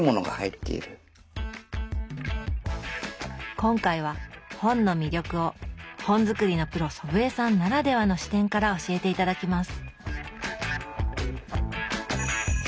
今回は本の魅力を本づくりのプロ祖父江さんならではの視点から教えて頂きます。